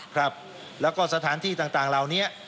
ครับแล้วก็สถานที่ต่างเหล่านี้